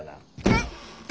えっ。